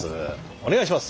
お願いします！